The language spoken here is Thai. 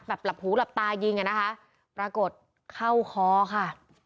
หลับหูหลับตายิงอ่ะนะคะปรากฏเข้าคอค่ะ